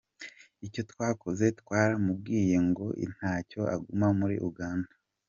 Icyo twakoze twaramubwiye ngo ntacyo aguma muri Uganda.